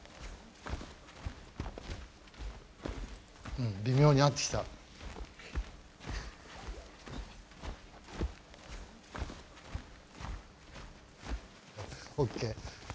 うん微妙に合ってきた。ＯＫ。